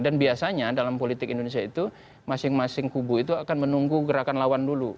dan biasanya dalam politik indonesia itu masing masing kubu itu akan menunggu gerakan lawan dulu